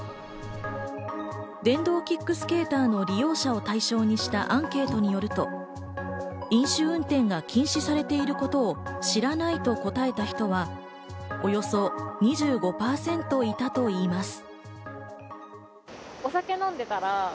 電動キックスケーターの利用者を対象にしたアンケートによると、飲酒運転が禁止されていることを知らないと答えた人はおよそ２５％いたといいます。